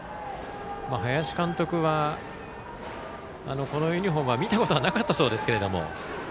林監督は、このユニフォームは見たことがなかったそうですが。